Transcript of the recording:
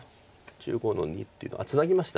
１５の二っていうのはツナぎました。